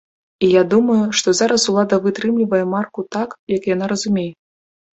І я думаю, што зараз улада вытрымлівае марку так, як яна разумее.